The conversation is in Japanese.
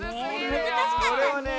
むずかしかったね。